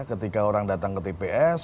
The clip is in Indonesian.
ketika orang datang ke tps